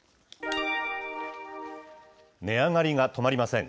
値上がりが止まりません。